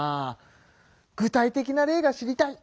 具体的な例が知りたい。